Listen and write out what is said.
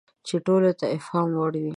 چې ټولو ته د افهام وړ وي.